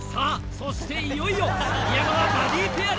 そしていよいよ宮川バディペアです。